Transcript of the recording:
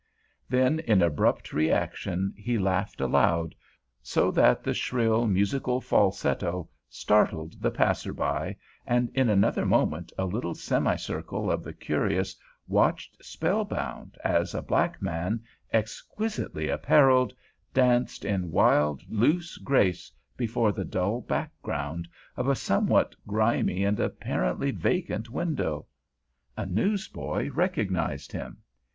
Then in abrupt reaction he laughed aloud, so that the shrill, musical falsetto startled the passers by, and in another moment a little semicircle of the curious watched spellbound as a black man, exquisitely appareled, danced in wild, loose grace before the dull background of a somewhat grimy and apparently vacant window. A newsboy recognized him.